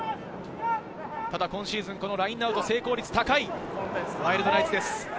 今シーズン、このラインアウト成功率が高いワイルドナイツです。